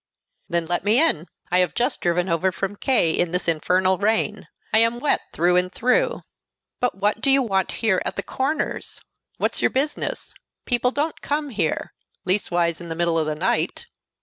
"Then let me in. I have just driven over from K in this infernal rain. I am wet through and through." "But what do you want here, at the Corners? What's your business? People don't come here, leastways in the middle of the night."